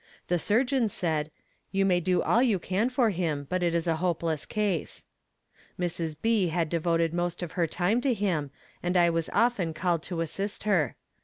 The surgeon said, "You may do all you can for him, but it is a hopeless case." Mrs. B. had devoted most of her time to him and I was often called to assist her.